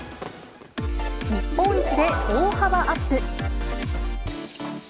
日本一で大幅アップ。